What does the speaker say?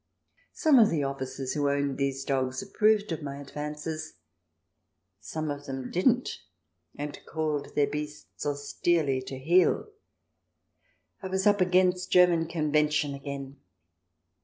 Some of the officers who owned these dogs approved of my advances ; some of them didn't, and called their beasts austerely to heel. I was up against German convention again